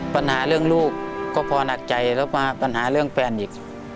ปัญหาเรื่องลูกก็พอหนักใจแล้วมาปัญหาเรื่องแฟนอีก